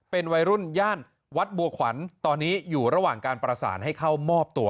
เป็นวัยรุ่นย่านวัดบัวขวัญตอนนี้อยู่ระหว่างการประสานให้เข้ามอบตัว